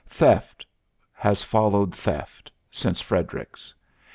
Theft has followed theft since Frederick's.